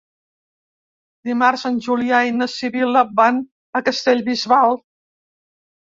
Dimarts en Julià i na Sibil·la van a Castellbisbal.